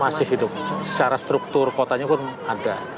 masih hidup secara struktur kotanya pun ada